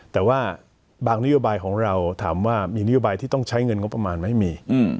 แต่ว่าบางนโยบายของเราถามว่ามีนโยบายที่ต้องใช้เงินงบประมาณไหมมี